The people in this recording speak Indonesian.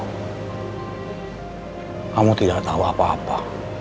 kamu tidak tahu apa apa